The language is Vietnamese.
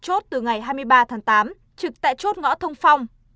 chốt từ ngày hai mươi ba tháng tám trực tại chốt ngõ thông phong